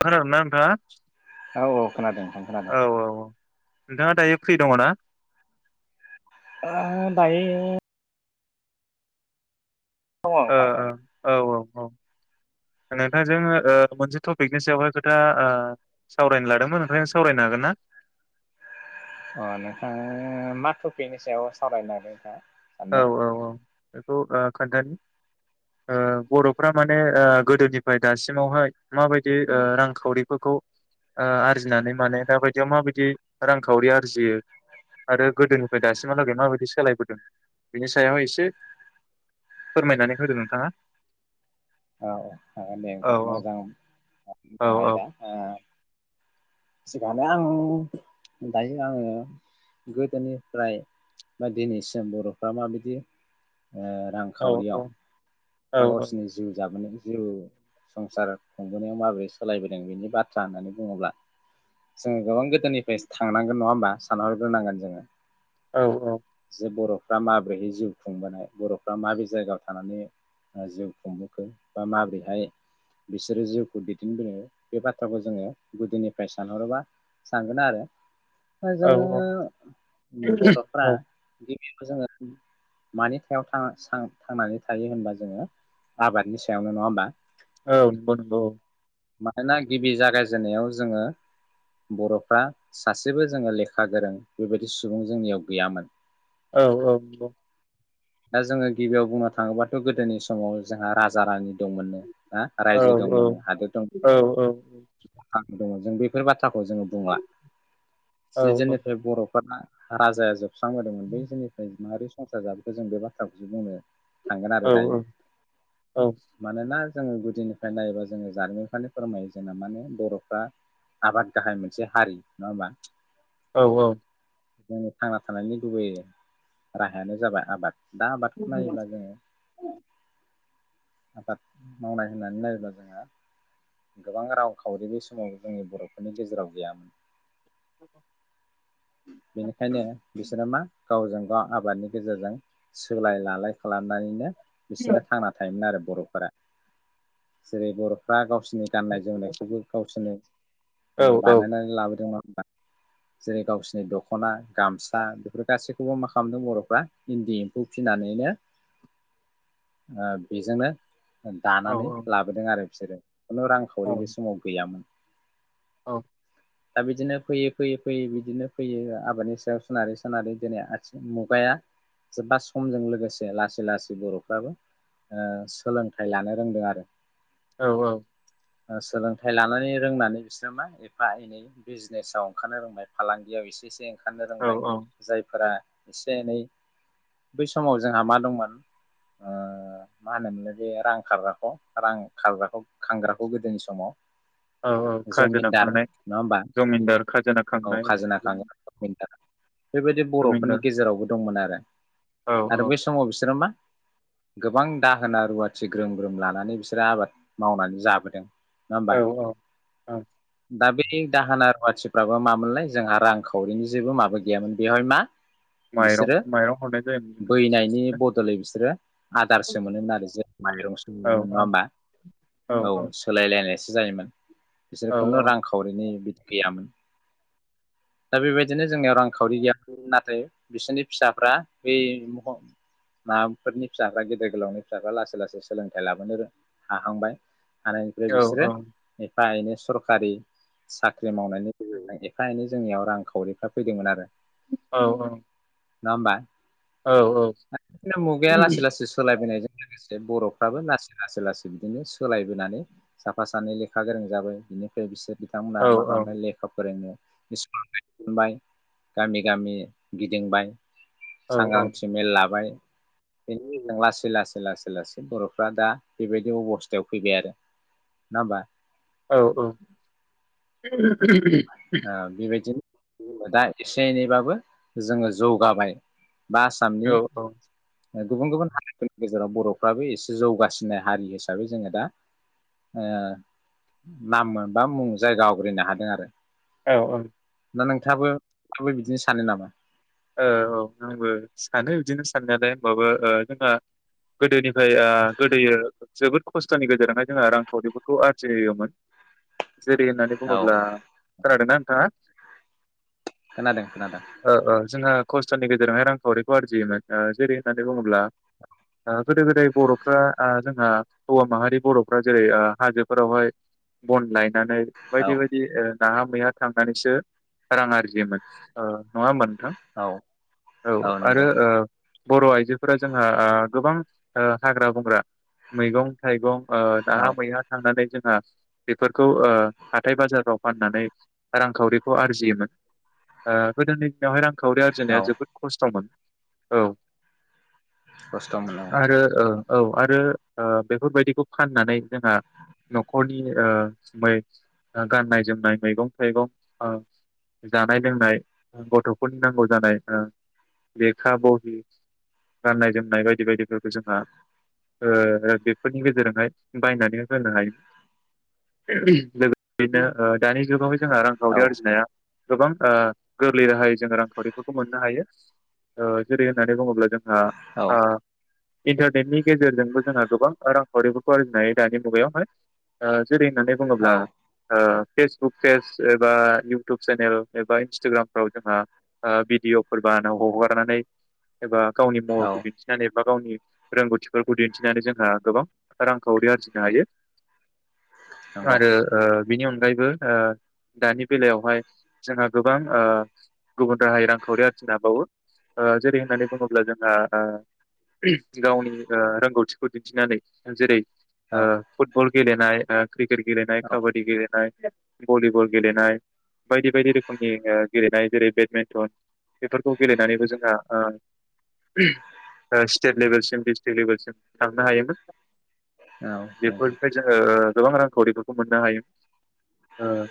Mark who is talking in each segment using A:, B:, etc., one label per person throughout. A: खोनादोंना नोंथाङा?
B: औ औ खोनादों थां खोनादों
A: औ औ नोंथाङा दायो फ्रि दङ ना?
B: आ दायो दङ
A: ओ
B: नोंथां
A: ओ
B: माने
A: औ औ औ नोंथांजों ओ मोनसे टपिकनि सायावहाय खोथा ओ सावरायनो लादोंमोन नोंथांजों सावरायनो हागोन ना
B: अ नोंथां मा टपिकनि सायाव सावरायनो नागिरदों नोंथाङा
A: औ
B: सान्दों
A: औ औ बेखौ ओ खोन्थानो ओ बर'फ्रा माने गोदोनिफ्राय दासिमावहाय माबायदि रांखावरिफोरखौ आरजिनानै माने दाबायदियाव माबायदि रांखावरि आरजियो आरो गोदोनिफ्राय दासिमहालागै माबायदि सोलायबोदों बिनि सायाव एसे फोरमायनानै होदो नोंथाङा
B: औ हागोनदे
A: औ
B: नोंथां मोजां
A: औ
B: मोजां आयदा ओ सिखानो आं दायो आङो गोदोनिफ्राय बा दिनैसिम बर'फ्रा माबायदि ओ
A: औ औ
B: रांखावरियाव
A: औ
B: बा गावसिनि
A: औ
B: जाबोनाय जिउ संसार खुंबोनायाव माबोरै सालायबोदों बेनि बाथ्रा होननानै बुङोब्ला जोङो गोबां गोदोनिफ्राय थांनांगोन नङा होमबा सानहरग्रोनांगोन जोङो
A: औ औ
B: जे बर'फ्रा माब्रैहै जिउ खुंबोनाय बर'फ्रा माब्रै जायगायाव थानानै जिउ खुंदो बा माबोरैहाय बिसोरो जिउखौ दैदेनबोनो बे बाथ्राखौ जोङो गोदोनिफ्राय सानहरोबा सानगोन आरो ओ
A: औ औ
B: जोङो
A: औ
B: बर'फ्रा बेखौ जोङो मानि सायाव थां सां थांनानै थायो होनबा जोङो आबादनि सायावनो नङा होमबा
A: औ [unintelligible]
B: मानोना गिबि जागायजेननायाव जोङो बर'फ्रा सासेबो जोङो लेखा गोरों बेबायदि सुबुं जोंनियाव गैयामोन
A: औ औ नंगौ
B: दा जोङो गिबियाव बुंनो थाङोबाथ' गोदोनि समाव जोंहा राजा रानि दंमोननो ना
A: औ
B: रायजो
A: औ
B: दंमोननो
A: औ औ
B: दंङ जों बेफोर बाथ्रा बाथ्राखौ जोङो बुंङा
A: औ
B: जे जोंनिफ्राय बर'फोरा राजाया जो बस्रांबोदोंमोन बै समनिफ्राय मारै संसार जाबोदो जों बे बाथ्राखौसो बुंनो थांगोन
A: औ
B: आरो दायो
A: औ
B: मानोना जोंङो गुदिनिफ्राय नायोबा जोंङो जारिमिनखौनो फोरमायो जोंना माने बर'फ्रा आबाद गाहाय मोनसे हारि नङा होमबा
A: औ औ
B: जोंनि थांना थानायनि गुबै राहायानो जाबाय आबाद दा बाथखौनायब जोंङो आबाद मावनाय होननानै नायोब्ला जोंहा गोबां रावखावरि बे समाव जोंनि बर'फोरनि गेजेराव गैयामोन। बेनिखायनो बिसोरो मा गावजों गाव आबादनि गेजेरजों सोलाय लालाय खालामनानैनो बिसोरो थांना थायोमोन आरो। बर'फोरा जेरै बर'फ्रा गावसिनि गाननाय जोमनायखौबो गावसोरनो बानायनानै लाबोदोंमोन। जेरै गावसिनि दख'ना गामसा बेफोर गासैखौबो मा खालामदों बर'फ्रा इन्दि एम्फौ फिनानैनो बेजोंनो दानानै लाबोदों आरो। बिसोरो खुनु रांखावरि बे समाव गैयामोन।
A: औ
B: दा बिदिनो फैयै फैयै फैयै बिदिनो फैयै आबादनि सायाव सोनारै सोनारै दिनै आथिं मुगाया एबा समजों लोगोसे लासै लासै बर'फ्राबो सोलोंथाइ लानो रोंदों आरो।
A: औ औ
B: सोलोंथाइ लानानै रोंनानै बिसोरो मा एफा एनै बिजनेसाव ओंखारनो रोंबाय फालांगियाव एसे एसे ओंखारनो
A: औ
B: रोंबाय
A: औ
B: जायफोरा एसे एनै बै समाव जोंहा मा दंमोन ओ मा होनोमोनल बे रां खारग्राखौ रां खारग्राखौ खांग्राखौ गोदोनि समाव
A: औ औ खाजोना
B: जमिनदार
A: खांनाय
B: नङा होमबा
A: जमिनदार खाजोना खांनाय
B: खाजोना
A: औ
B: खांग्रा जमिनदार बेबायदि बर'फोरनि
A: जमिनदार
B: गेजेरावबो दंमोन आरो
A: औ
B: आरो बै समाव बिसोरो मा गोबां दाहोना रुवाथि ग्रोम ग्रोम लानानै बिसोरो आबाद मावनानै जाबोदों नङा होमबा
A: औ औ औ।
B: दा बे दाहोना रुवाथिफ्राबा मामोनलाय जोंहा रांखावरिनि जेबो माबा गैयामोन, बेवहाय मा
A: माइरं
B: बिसोरो
A: माइरं हरनाय जायोमोन जोङो
B: बैनायनि
A: बिसोरनो
B: बदलै बिसोरो आदारसो मोनोमोन आरो जों माइरंसो
A: औ
B: मोनोमोन। नङा
A: औ
B: होमबा? औ सोलायलाय नायसो जायोमोन। बिसोर
A: औ
B: खुनु रांखावरिनि बिदि गैयामोन दा बेबायदिनो जोंनियाव रांखावरि गैयाम नाथाय बिसोरनि फिसाफ्रा बै माबाफोरनि फिसाफ्रा गेदेर गोलावनि फिसाफ्रा लासै लासै सोलोंथाइ लाबोनो रों हाहांबाय, हानायनिफ्राय
A: औ औ
B: बिसोरो एफा एनै सरखारि साख्रि मावनायनि गेजेरजों एफा एनै जोंनियाव रांखावरिफ्रा फैदोंमोन आरो।
A: औ औ।
B: नङामबा? [unintelligible] मुगाया लासै लासै सोलायबोनायजों लोगोसे बर'फ्राबो लासै-लासै-लासै बिदिनो सोलायबोनानै साफा सानै लेखा गोरों जाबाय बिनिफ्राय बिसोर बिथांमोनहा
A: औ
B: माखा मोनबाय लेखा फोरोंनो। [unintelligible] गामि गामि गिदिंबाय, सांग्रांथि मेल लाबाय। बेनि उनाव लासै लासै लासै लासै बर'फ्रा दा बेबायदि अब स्थायाव फैबाय आरो। नङा होमबा?
A: औ औ। [inaudible]
B: आ बेबायदिनो दा एसे एनैबाबो जोङो जौगाबाय। बा
A: औ
B: आसामनि
A: औ
B: गुबुन गुबुन हारिफोरनि गेजेराव बर'फ्राबो एसे जौगासिननाय हारि हिसाबै जोङो दा ओ नाम मोन बा मुं जायगा आवग्रिनो हादों आरो।
A: औ औ।
B: दा नोंथाङाबो बेबायदिनो सानो नामा?
A: ओ औ आंबो सानो बिदिनो साननायालाय होनबाबो ओ जोंहा गोदोनिफ्राय ओ गोदोयो जोबोद खस्थ'नि गेजेरजोंहाय जोंहा रांखावरिफोरखौ आरजिहोयोमोन। जेरै होननानै
B: औ
A: बुङोब्ला खोनादों ना नोंथाङा?
B: खोनादों खोनादों।
A: ओ ओ जोंहा खस्थ'नि गेजेरावहाय रांखावरिखौ आरजियोमोन ओ जेरै होननानै बुङोब्ला ओ गोदो गोदाय बर'फ्रा ओ जोंहा हौवा माहारि बर'फ्रा जेरै हाजोफोरावहाय बन लाय नानै
B: औ
A: बायदि बायदि ओ नाहा मैहा थांनानैसो रां आरजियोमोन। ओ नङा होनबा नोंथां? औ
B: औ
A: आरो
B: नंगौ
A: ओ बर' आइजोफोरा जोंहा गोबां हाग्रा बंग्रा मैगं थाइगं
B: औ
A: दाहा मैहा थांनानै जों बेफोरखौ हाथाय बाजाराव फाननानै रांखावरिखौ आरजियोमोन गोदोनि दिनहाय रां खौावरि आरजिनाया
B: औ
A: जोबोद खस्थ'मोन औ
B: खस्थ' मोन
A: आरो ओ औ आरो बेफोरबायदिखौ फाननानै जोंहा न'खरनिै गाननाय जोमनाय मैगं थाइगं जानाय लोंनाय गथ' बेनि नांगौ जानाय लेखा बहि गाननाय जोमनाय बायदि बायदिफोरखौ जोंहा बेफोरनि गेजेरजोंहाय बायनानै होनो हायो लोगोसेनो दानि जुाव जोंहा
B: औ
A: रांखावरि आरजिनाया गोबां गोरलै राहाय जोङो रांखावरिफोरखौ मोननो हायो जेरै होननानै बुङोब्ला जोंहा
B: औ
A: इन्टारनेटनि गेजेरजोंबो जोंहा गोबां रांखावरिबो फ आरजिनो हायो दानि मुगायावहाय जेरै होननानै
B: औ
A: बुङोब्ला फेसबुक पेज एबा इउटुब चेनेल एबा इन्स्टाग्रामफ्राव जोंहा भिदििअफोरबानो हगारनानै एबा गावनि
B: औ
A: माखौ दिन्थिनानै बा गावनि रोंगौथिफोरखौ दिन्थिनानै जोंहा गोबां रांखावरि आरजिनो हायो
B: नंगौ
A: आरो आ बिनि अनगायैबो दानि बेलायावहाय जोंहा गोबां गुबुन राहायै रांखावरि आरथििनो हाबावो जेरै होननानै बुङोब्ला जोंहा गावनि रोंगौथिखौ दिन्थिनानै जेरै आ
B: औ
A: फुटबल [inaudible] क्रिकेट गेलेनाय ख
B: औ
A: काबड्ि गेलेनाय भलिबल गेलेनाय बायदि बायदि रोखोमनि गेलेनाय जेरै बे मेन्टन बेफोरखौ गेलेनानैबो जोंहा ओ स्टेट लेभेलसिम डिस्ट्रिक लेभेलसिम थांनो हायोमोन
B: औ नंगौ
A: बेफोरखाय जोङो ओ गोबां रांखावरिफोरखौ मोननो हायो ओ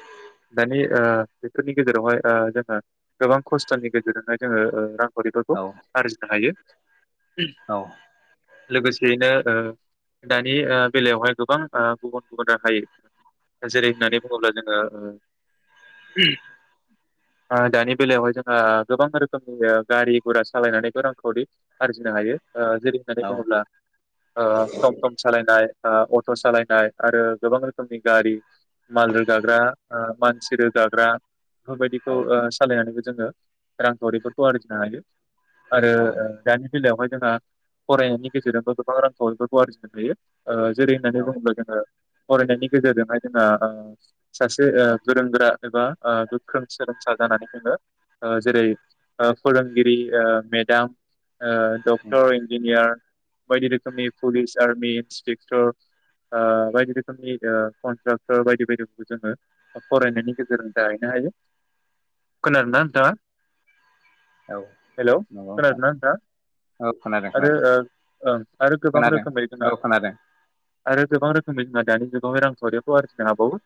A: दानि ओ बेफोरनि गेजेरावहाय ओ जोंहा गोबां खस्थ'नि गेजेरजोंनो ओ जोङो रां खावरिफोरखौ
B: औ
A: आरजिनो हायो
B: औ
A: लोगोसेयैनो ओ दानि ओ बेलायावहाय गोबां ओ गुबुन गुबुन राहायै जेरै होननानै बुङोब्ला जोङो ओ दानि बेलायावहाय जोंहा गोबां रोखोमनि गारि गुरा सालायनानैखौ रांखावरि आरजिनो हायो ओ जेरै होननानै
B: औ
A: बुङोब्ला ओ टम टम सालायनाय ओ अट' सालायनाय आरो गोबां रोखोमनि गारि माल रोगाग्रा ओ मानसि रोगाग्रा बेफो
B: औ
A: रबायदिखौ ओ [unintelligible] जोङो रांखावरिफोरखौ आरजिनो हायो। आरो
B: औ
A: ओ दानि बेलायावहाय जोंहा फरायनायनि गेजेरजोंबो गोबां रांखावरिफोरखौ आरजिनो हायो। ओ जेरै
B: औ
A: होननानै बुङोब्ला जोङो फरायनायनि गेजेरजोंहाय जोङो सासे ओ गोरों गोरा एबा ओ गोख्रों सोलोंसा जानानै जोङो ओ जेरै ओ फोरोंगिरि ओ मेडाम ओ
B: उम
A: डक्टर इन्जिनियार बायदि रोखोमनि पुलिस आर्मि इन्सपेक्टर ओ बायदि रोखोमनि ओ कन्ट्राक्टर बायदि बायदिफोरखौ जोङो फरायनायनि गेजेरजों जाहैनो हायो। खोनादों ना नोंथाङा?
B: औ
A: हेल'
B: नंगौ नोंथां
A: खोनादों ना नोंथाङा
B: औ खोनादों
A: आरो
B: खोनादों
A: ओ ओं आरो गोबां
B: खोनादों
A: रोखोमै
B: औ
A: जोंहा
B: खोनादों
A: आरो गोबां रोखोमै जोंहा दानि जुग गावहाय रांखावरियावखौ आरजिनो हाबावो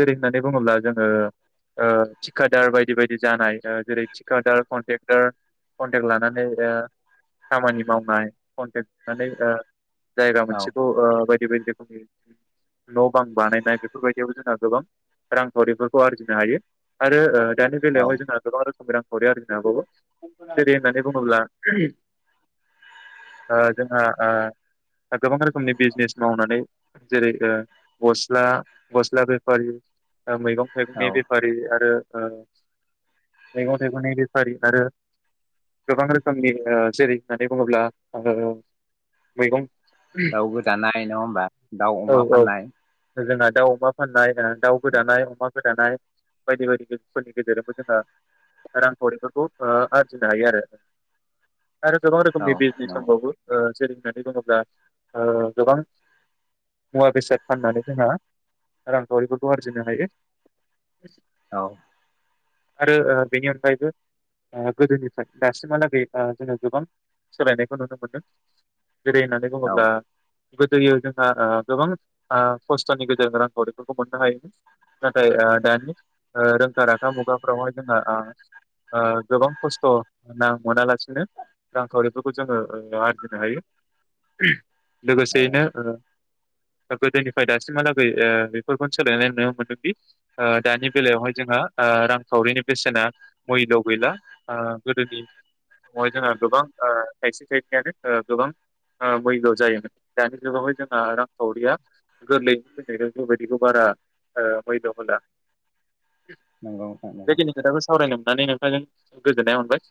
A: जेरै होननानै बुङोब्ला जोङो ओ टिकादार बायदि बायदि जानाय ओ जेरै टिकादार कनटेक टार कन्टेक्ट लानानै ओ खामानि मावनाय कन्टेक्ट लानानै ओ जायगा
B: औ
A: मोनसेखौ ओ बायदि बायदि न' बां बानायनाय बेफोरबायदियावबो जोंहा गोबां रांखावरिफोरखौ आरजिनो हायो। आरो ओ दानि
B: औ
A: बेलायाव जोंहा गोबां रो रांखावरि आरजि हाबावे जेरै होननानै बुङोब्ला ओ जोंहा ओ गोबां रोखोमनि बिजनेस मावनानै जेरै ओ गस्ला गस्ला बेफारिया ओ मैगं
B: औ
A: थाइगंनि बेफारि आरो ओ ओ मैगं थाइगंनि आरो गोबां रोखोमनि ओ जेरै होननानै बुङोब्ला ओ मैगं
B: दाउ गोदानाय नङा होमबा दाउ अमा फाननाय
A: जोंना दाउ अमा फाननाय होन दाउ
B: औ
A: गोदानाय अमा गोदानाय। बायदि बायदिफोरनि गेजेरावबो जोंङो रांखावरिफोरखौ आरजिनो हायो आरो। आरो गोबां
B: औ
A: रोखोमनि बिजनेस
B: नंगौ
A: दंबावो। ओे जेरै होननानै बुङोब्ला ओ गोबां मुवा बेसाद फाननानै जोंहा रांखावरिफोरखौ आरजिनो हायो।
B: औ।
A: आरो ओ बेनि अनगायैबो ओ गोदोनिफ्राय दासिमहालागै जोङो गोबां सोलायनायखौ नुनो मोनदों। गोदै होननानै
B: औ
A: बुङोब्ला गोदो जोंहा गोबां ओ खस्थ'नि गेजेरजों रांखावरिफोरखौ मोननो हायोमोन। नाथाय दानि रोंखा राखा मुगाफ्रावहाय जोंहा गोबां खस्थ' ना मोनालासिनो रांखावरिफोरखौ जोङो आरजिनो हायो।
B: औ
A: लोगोसेयैनो ओ गोदोनिफ्राय दासिमहालागै ओ बेफोरखौनो सोलायनाय नुनो मोनदोंदि दानि बेलायावहाय जोंहा ओ रांखावरिनि बेसेना मैल' गैला ओ गोदोनि समावहाय जोंहा गोबां ओ थायसे थायनैयानो ओ गोबां मैल' जायोमोन दानि जुगावहाय जोंहा रांखावरिया गोरलैयैनो फैनायखाय बेबायदिखौ बारा ओ मैल' होला।
B: नंगौ नोंथां नंगौ
A: बेखिनि खोथाखौ सावरायदों। होननानै नोंथांजों गोजोननाय मोनबाय।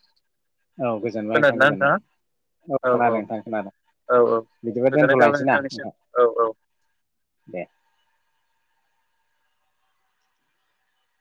B: औ गोजोनबाय नोंथां
A: खोनादोंना नोंथाङा
B: गोजोनबाय औ खोनादों नोंथां खोनादों
A: औ औ
B: बिदिबा
A: गोजोननाय थाबाय
B: दोनथ'लायसै ना
A: नोंथांनिसिम
B: नोंथां
A: औ औ
B: दे।